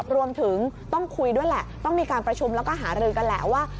รวมถึงต้องคุยด้วยแหละต้องมีการประชุมแล้วก็หารือกันแหละว่า